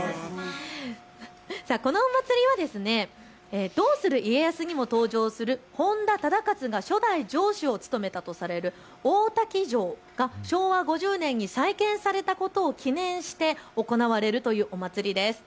このお祭りはどうする家康にも登場する本多忠勝が初代城主を務めたとされる大多喜城が昭和５０年に再建されたことを記念して行われるというお祭りです。